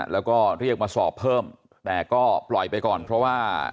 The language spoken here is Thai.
แล้วก็เรียกมาสอบเพิ่มแต่ก็ปล่อยไปก่อนเพราะว่า